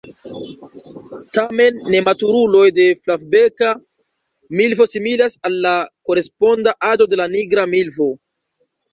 Tamen nematuruloj de Flavbeka milvo similas al la koresponda aĝo de la Nigra milvo.